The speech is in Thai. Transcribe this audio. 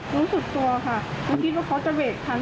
รู้สึกตัวค่ะไม่คิดว่าเขาจะเบรกทัน